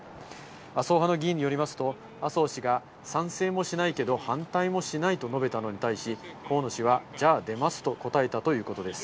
麻生派の議員によりますと、麻生氏が賛成もしないけど反対もしないと述べたのに対し、河野氏は、じゃあ出ますと答えたということです。